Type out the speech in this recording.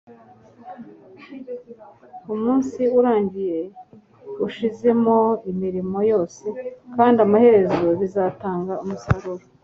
Umunsi urangiye, ushizemo imirimo yose, kandi amaherezo bizatanga umusaruro.